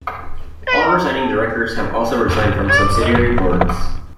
All resigning directors have also resigned from subsidiary boards.